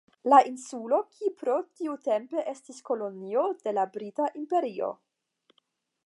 La insulo Kipro tiutempe estis kolonio de la Brita Imperio.